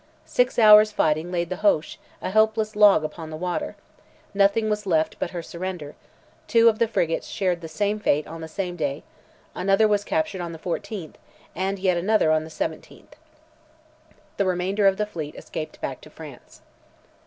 Six hours' fighting laid the Hoche a helpless log upon the water; nothing was left her but surrender; two of the frigates shared the same fate on the same day; another was captured on the 14th, and yet another on the 17th. The remainder of the fleet escaped back to France.